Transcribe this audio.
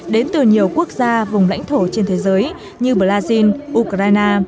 đến từ nhiều quốc gia vùng lãnh thổ trên thế giới như brazil ukraine